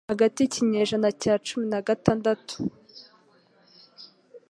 Hagati y'ikinyejana cya cumi nagatandatu